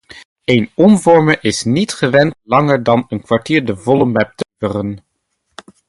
Een omvormer is niet gewend langer dan een kwartier de volle mep te leveren.